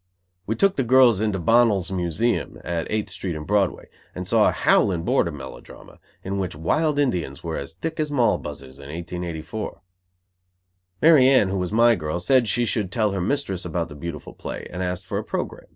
We took the girls into Bonnell's Museum, at Eighth Street and Broadway, and saw a howling border melodrama, in which wild Indians were as thick as Moll buzzers in 1884. Mary Anne, who was my girl, said she should tell her mistress about the beautiful play; and asked for a program.